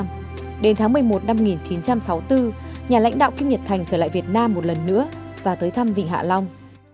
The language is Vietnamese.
một năm sau vào tháng một mươi một năm một nghìn chín trăm sáu mươi bốn nhà lãnh đạo kim nhật thành trở lại việt nam một lần nữa và tới thăm vịnh hạ long